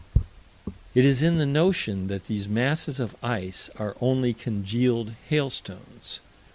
It is in the notion that these masses of ice are only congealed hailstones.